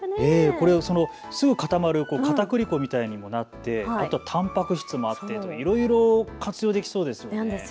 これ、すぐ固まるかたくり粉みたいにもなって、あとはたんぱく質もあってといろいろ活用できそうですよね。